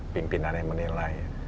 pimpinan yang menilai